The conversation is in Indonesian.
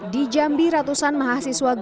di jambi ratusan mahasiswa